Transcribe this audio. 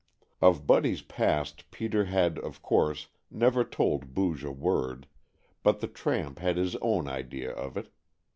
Of Buddy's past Peter had, of course, never told Booge a word, but the tramp had his own idea of it.